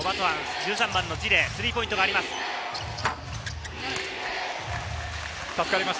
１３番のジレ、スリーポイントがあります。